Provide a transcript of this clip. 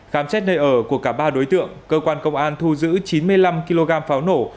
khám xét nơi ở của cả ba đối tượng cơ quan công an thu giữ chín mươi năm kg pháo nổ